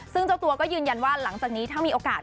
ซึ่งเจ้าตัวก็ยืนยันว่าหลังจากนี้ถ้ามีโอกาส